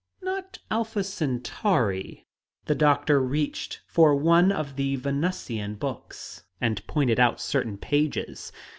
"Not Alpha Centauri." The doctor reached for one of the Venusian books, and pointed out certain pages.